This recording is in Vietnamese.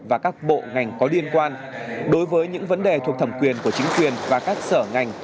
và các bộ ngành có liên quan đối với những vấn đề thuộc thẩm quyền của chính quyền và các sở ngành